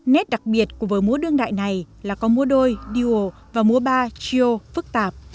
nét đặc biệt của vở múa đương đại này là có múa đôi đial và múa ba chiều phức tạp